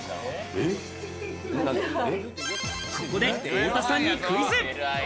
ここで太田さんにクイズ。